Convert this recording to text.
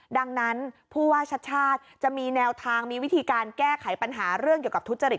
ดังนั้นผู้ว่าชาติชาติจะมีแนวทางมีวิธีการแก้ไขปัญหาเรื่องเกี่ยวกับทุจริต